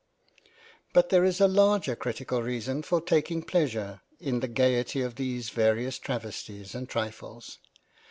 But there is a larger critical reason for taking pleasure in zii PREFACE the gaiety of these various travesties and trifles.